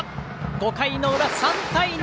５回の裏、３対２。